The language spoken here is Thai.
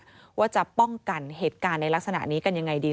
ว่าจะป้องกันเหตุการณ์ในลักษณะนี้กันยังไงดี